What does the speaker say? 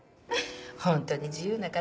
ホントに自由な方。